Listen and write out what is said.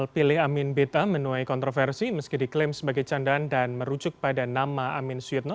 pilih amin beta menuai kontroversi meski diklaim sebagai candaan dan merujuk pada nama amin suyitno